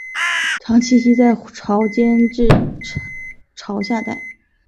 常栖息在潮间带至潮下带。